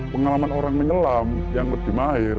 pengalaman orang menyelam yang lebih mahir